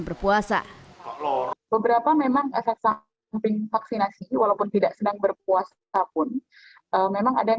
berpuasa beberapa memang efek samping vaksinasi walaupun tidak sedang berpuasa pun memang ada